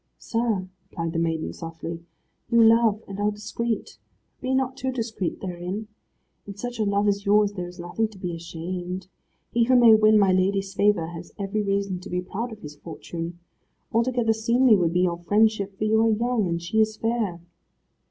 "Sir," replied the maiden softly, "you love, and are discreet, but be not too discreet therein. In such a love as yours there is nothing to be ashamed. He who may win my lady's favour has every reason to be proud of his fortune. Altogether seemly would be your friendship, for you are young, and she is fair."